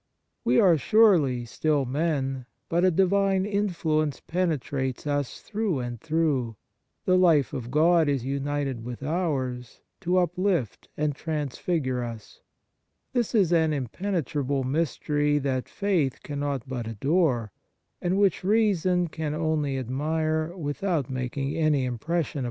We are, surely, still men, but a divine influence penetrates us through and through ; the life of God is united with ours to uplift and transfigure us. This is an impene trable mystery that faith cannot but adore, and which reason can only admire without making any impres sion upon it. * Acts xvii. 28.